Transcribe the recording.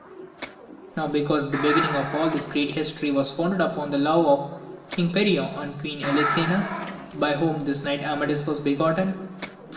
Now because the beginning of all this great history was founded upon the love of King Perion and Queen Elisena, by whom this knight Amadis was begotten, from 198 AMADIS OF GAUL.